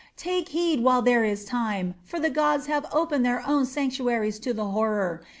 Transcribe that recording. Take heed while there is time; for the gods have opened their own sanctuaries to the horror.